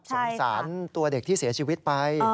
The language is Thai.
สงสารตัวเด็กที่เสียชีวิตไป